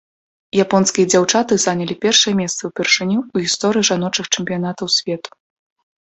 Японскія дзяўчаты занялі першае месца ўпершыню ў гісторыі жаночых чэмпіянатаў свету.